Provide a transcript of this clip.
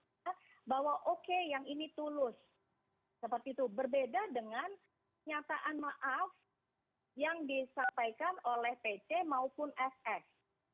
seperti itu berbeda dengan nyataan maaf yang disampaikan oleh pc maupun fs